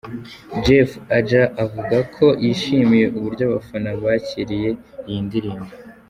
Jeff Ajay avuga ko yishimiye uburyo abafana bakiriye iyi ndirimbo.